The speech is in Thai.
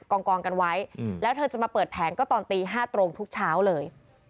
กองกันไว้แล้วเธอจะมาเปิดแผงก็ตอนตี๕ตรงทุกเช้าเลย